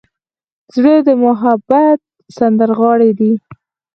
زړه د محبت سندرغاړی دی.